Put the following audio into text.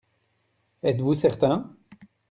Êtes-vous certain ?